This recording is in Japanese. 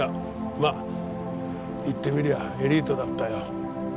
まあ言ってみりゃあエリートだったよ。